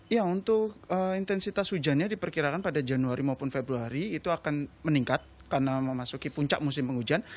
ya untuk intensitas hujannya diperkirakan pada januari maupun februari itu akan meningkat karena memasuki puncak musim penghujan